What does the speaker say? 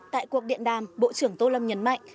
tại cuộc điện đàm bộ trưởng tô lâm nhấn mạnh